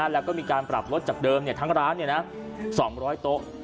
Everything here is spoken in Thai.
แล้วก็มีการปรับรถจากเดิมทั้งร้าน๒๐๐โต๊ะ